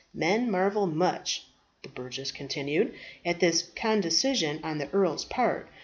Men marvel much," the burgess continued, "at this condescension on the earl's part.